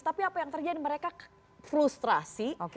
tapi apa yang terjadi mereka frustrasi